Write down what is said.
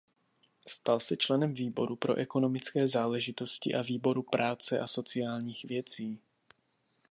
Stal se členem výboru pro ekonomické záležitosti a výboru práce a sociálních věcí.